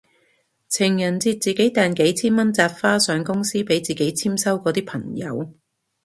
情人節自己訂幾千蚊紮花上公司俾自己簽收嗰啲朋友